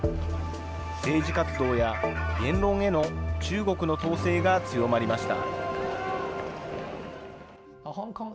政治活動や言論への中国の統制が強まりました。